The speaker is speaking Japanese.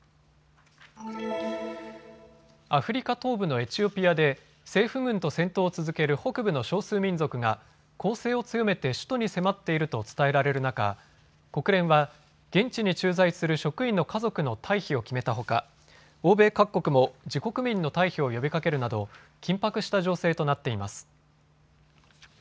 アフリカ東部のエチオピアで政府軍と戦闘を続ける北部の少数民族が攻勢を強めて首都に迫っていると伝えられる中、国連は現地に駐在する職員の家族の退避を決めたほか欧米各国も自国民の退避を呼びかけるなど緊迫した情勢となっています。